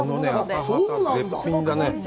絶品だね。